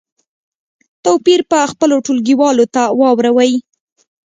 توپیر په خپلو ټولګیوالو ته واوروئ.